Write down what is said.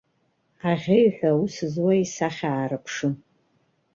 Аӷьеиҩҳәа аус зуа исахьа аарԥшым.